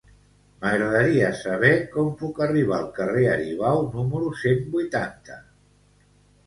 M'agradaria saber com puc arribar al carrer Aribau número cent vuitanta.